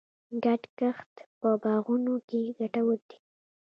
ګډ کښت په باغونو کې ګټور دی.